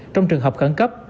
trong trường hợp khẩn cấp